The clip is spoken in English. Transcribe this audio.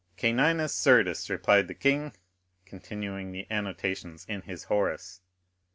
"Canimus surdis," replied the king, continuing the annotations in his Horace.